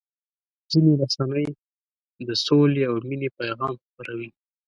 ځینې رسنۍ د سولې او مینې پیغام خپروي.